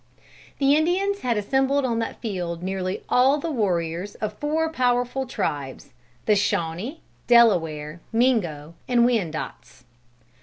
The Indians had assembled on that field nearly all the warriors of four powerful tribes; the Shawnee, Delaware, Mingo and Wyandotts.